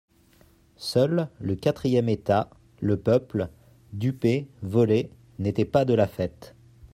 Seul, le quatrième état, le peuple, dupé, volé, n'était pas de la fête.